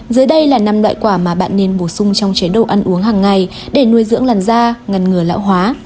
dưới đây là năm loại quả mà bạn nên bổ sung trong chế độ ăn uống hằng ngày để nuôi dưỡng làn da ngăn ngừa lão hóa